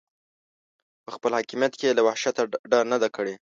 په خپل حاکمیت کې یې له وحشته ډډه نه ده کړې.